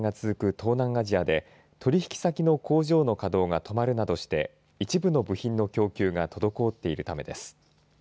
東南アジアで取引先の工場の稼働が止まるなどして一部の部品の供給が滞っているためです。